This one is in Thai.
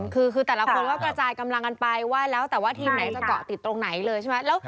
คือแต่ละคนก็กระจายกำลังกันไปว่าแล้วแต่ว่าทีมไหนจะเกาะติดตรงไหนเลยใช่ไหม